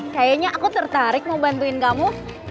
kaya nya aku tertarik mau bantuin kamu